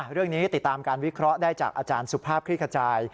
ติดตามการวิเคราะห์ได้จากอาจารย์สุภาพคลิกขจาย